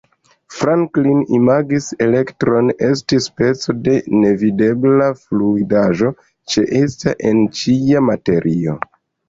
Franklin imagis elektron esti speco de nevidebla fluidaĵo ĉeesta en ĉia materio.